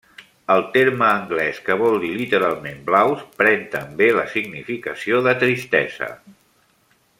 El terme anglès, que vol dir literalment 'blaus', pren també la significació de 'tristesa'.